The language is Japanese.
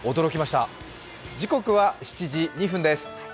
時刻は７時２分です。